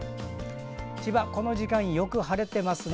千葉、この時間よく晴れていますね。